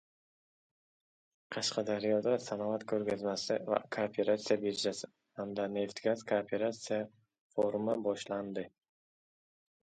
Qashqadaryoda «Sanoat ko‘rgazmasi va kooperatsiya birjasi» hamda «Neftgaz kooperatsiya forumi» boshlandi